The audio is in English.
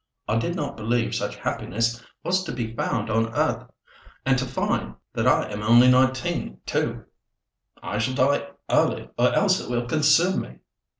"I did not believe such happiness was to be found on earth! And to think that I am only nineteen, too! I shall die early, or else it will consume me."